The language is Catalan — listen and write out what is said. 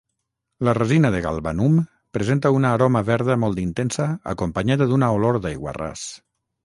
La resina de Galbanum presenta una aroma verda molt intensa acompanyada d'una olor d'aiguarràs.